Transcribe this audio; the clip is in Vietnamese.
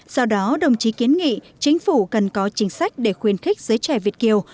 do đó đồng chí kiến nghị chính phủ cần có chính sách để khuyến khích giới trẻ việt kiều